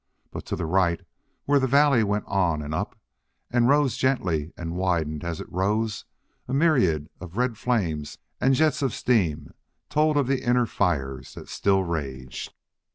But, to the right, where the valley went on and up, and rose gently and widened as it rose, a myriad of red flames and jets of steam told of the inner fires that still raged.